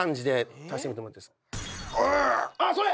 あっそれ！